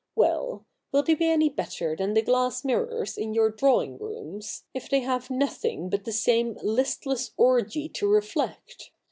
Well — will they be any better than the glass mirrors in your drawing rooms, if they have nothing but the same Ustless orgy to reflect